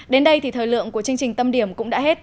đến đây thì thời lượng của chương trình tâm điểm cũng đã hết